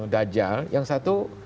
dajjal yang satu